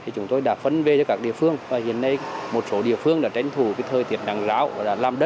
chúng tôi đã phấn vệ cho các địa phương và hiện nay một số địa phương đã tránh thủ thời tiết nặng rau và làm đất